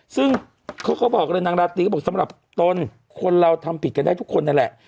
ซึ่งเขาก็บอกเลยนางราตรีก็บอกสำหรับตนคนเราทำผิดกันได้ทุกคนนั่นแหละ